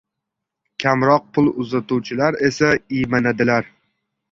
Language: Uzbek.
Kamroq pul uzatuvchilar esa iymanadilar.